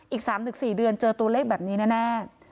อีก๓๔เดือนเจอตัวเลขแบบนี้แน่